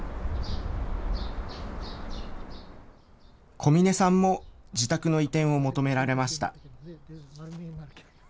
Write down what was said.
小嶺さんも自宅の移転を求められました。